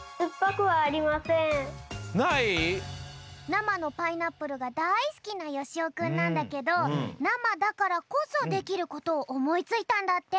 なまのパイナップルがだいすきなよしおくんなんだけどなまだからこそできることをおもいついたんだって。